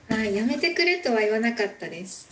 やめてくれとは言わなかったです。